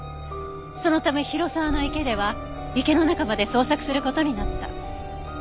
そのため広沢池では池の中まで捜索する事になった。